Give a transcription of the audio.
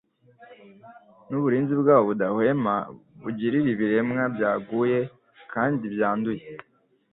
n'uburinzi bwabo budahwema, bagirira ibiremwa byaguye kandi byanduye.